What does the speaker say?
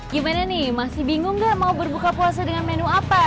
gimana nih masih bingung nggak mau berbuka puasa dengan menu apa